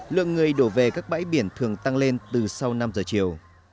lượng người đổ về các bãi biển thường tăng lên từ sau năm giờ chiều